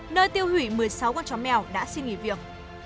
nơi tiêu hủy một mươi sáu con chó mèo đã xin nghỉ việc